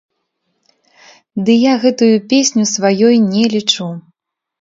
Ды я гэтую песню сваёй не лічу.